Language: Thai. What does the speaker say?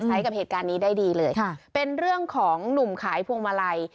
กับเหตุการณ์นี้ได้ดีเลยค่ะเป็นเรื่องของหนุ่มขายพวงมาลัย